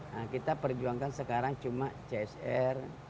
nah kita perjuangkan sekarang cuma csr